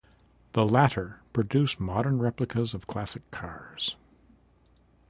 The latter produce modern replicas of classic cars.